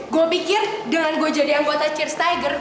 gue pikir dengan gue jadi anggota cheers tiger